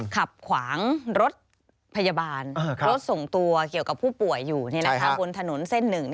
ขับขวางรถพยาบาลรถส่งตัวเกี่ยวกับผู้ป่วยอยู่บนถนนเส้น๑